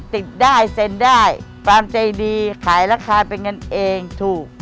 ติดได้เซ็นได้ความใจดีขายราคาเป็นเงินเองถูก